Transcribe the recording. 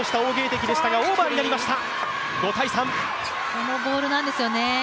このボールなんですよね。